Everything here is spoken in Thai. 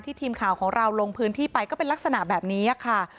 ทีมข่าวของเราลงพื้นที่ไปก็เป็นลักษณะแบบนี้ค่ะ